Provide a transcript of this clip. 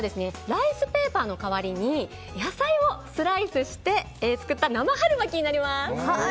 ライスペーパーの代わりに野菜をスライスして作った生春巻きになります。